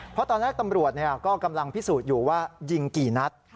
เพราะตอนแรกตำรวจก็กำลังพิสูจน์อยู่ว่ายิงกี่นัด